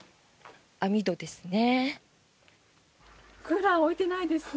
網戸ですね。